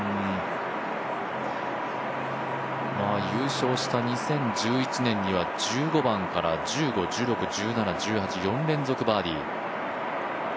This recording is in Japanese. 優勝した２０１１年には１５番から、１６１７、１８、４連続バーディー。